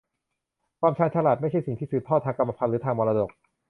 ความชาญฉลาดไม่ใช่สิ่งที่สืบทอดทางกรรมพันธุ์หรือทางมรดก